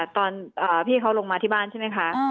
ตอนพี่เขาลงมาที่บ้านใช่ไหมคะ